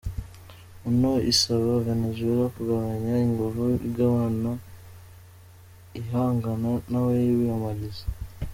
Onu isaba Venezuela kugabanya inguvu ihangana n'abayiyamiriza.